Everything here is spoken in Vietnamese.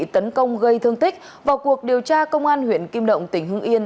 tấn công gây thương tích vào cuộc điều tra công an huyện kim động tỉnh hưng yên